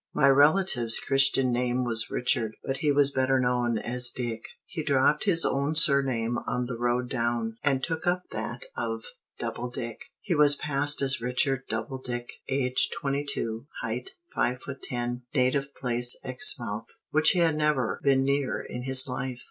My relative's Christian name was Richard, but he was better known as Dick. He dropped his own surname on the road down, and took up that of Doubledick. He was passed as Richard Doubledick; age, twenty two; height, five foot ten; native place, Exmouth, which he had never been near in his life.